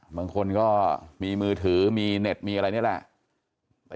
บางคนก็มีมือถือมีเน็ตมีอะไรนี่แหละ